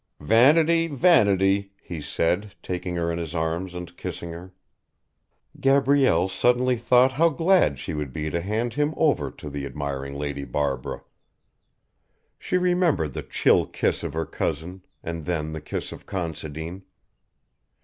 "Vanity, vanity!" he said, taking her in his arms and kissing her. Gabrielle suddenly thought how glad she would be to hand him over to the admiring Lady Barbara. She remembered the chill kiss of her cousin, and then the kiss of Considine.